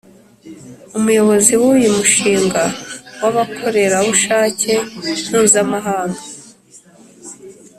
Umuyobozi w’uyu mushinga w’abakorerabushake mpuzamahanga